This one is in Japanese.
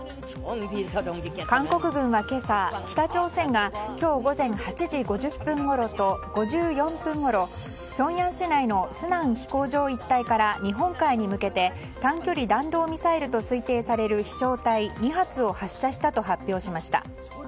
韓国軍は今朝、北朝鮮が今日午前８時５０分ごろと５４分ごろピョンヤン市内のスナン飛行場一帯から日本海に向けて短距離弾道ミサイルと推定される飛翔体２発を発射したと発表しました。